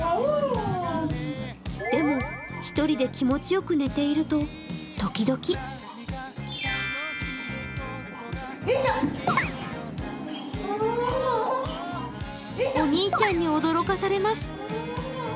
でも、１人で気持ちよく寝ていると時々お兄ちゃんに驚かされます。